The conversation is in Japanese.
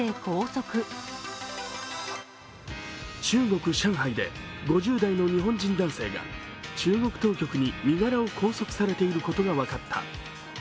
中国上海で５０代の日本人男性が中国当局に身柄を拘束されていることが分かった。